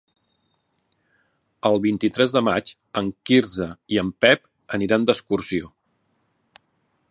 El vint-i-tres de maig en Quirze i en Pep aniran d'excursió.